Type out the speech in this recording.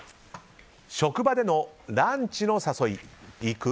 職場でのランチの誘い行く？